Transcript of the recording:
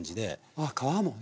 あっ皮もね。